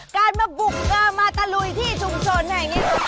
การมาบุกมาตะลุยที่ชุมชนแห่งนี้